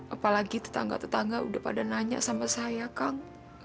apalagi tetangga tetangga udah pada nanya sama saya kang